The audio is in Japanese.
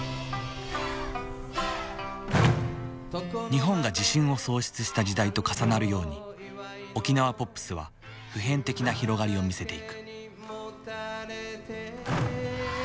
日本が自信を喪失した時代と重なるように沖縄ポップスは普遍的な広がりを見せていく。